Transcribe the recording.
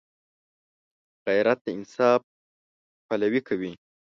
غیرت د انصاف پلوي کوي